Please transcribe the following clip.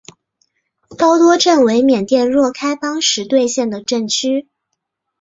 包多镇为缅甸若开邦实兑县的镇区。